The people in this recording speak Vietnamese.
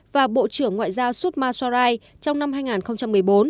và bộ trưởng ngoại giao sushma swarai trong năm hai nghìn một mươi bốn